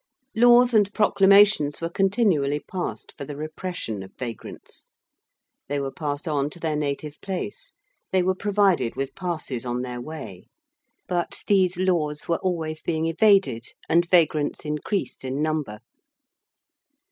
Laws and proclamations were continually passed for the repression of vagrants. They were passed on to their native place: they were provided with passes on their way. But these laws were always being evaded, and vagrants increased in number.